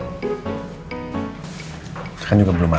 sekarang juga belum makan